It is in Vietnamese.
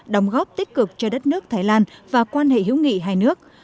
đóng góp tích cực cho đất nước thái lan và quan hệ hữu nghị hai nước